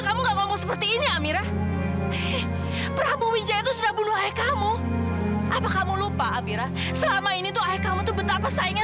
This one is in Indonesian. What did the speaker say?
sampai jumpa di video selanjutnya